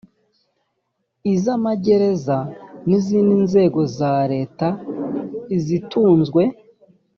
iz amagereza iz izindi nzego za leta izitunzwe